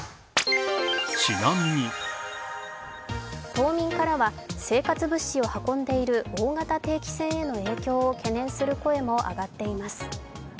島民からは生活物資を運んでいる大型定期船への影響を懸念する声も上がっています。